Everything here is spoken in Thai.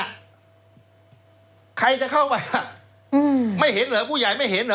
ใครจะเข้าไปไม่เห็นเหรอผู้ใหญ่ไม่เห็นเหรอ